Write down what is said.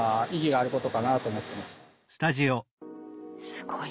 すごい。